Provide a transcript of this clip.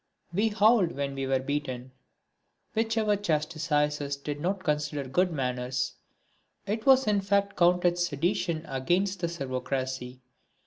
We howled when we were beaten, which our chastisers did not consider good manners; it was in fact counted sedition against the servocracy.